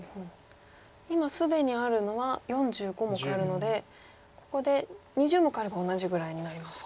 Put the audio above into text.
今既にあるのは４５目あるのでここで２０目あれば同じぐらいになりますか。